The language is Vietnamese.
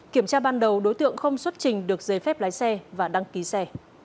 kiểm tra ban đầu đối tượng không xuất trình được giấy phép lái xe và đăng ký xe